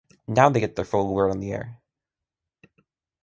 Now they get their full award on the air.